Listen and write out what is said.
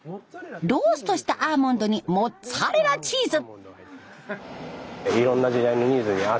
ローストしたアーモンドにモッツァレラチーズ。